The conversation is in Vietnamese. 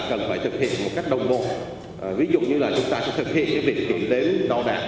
cần phải thực hiện một cách đồng bộ ví dụ như là chúng ta sẽ thực hiện việc kiểm đếm đo đạc